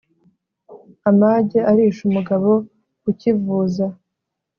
amage arisha umugabo ikivuza